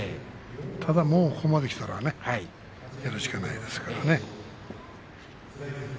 ただもうここまできたらねやるしかないですからね。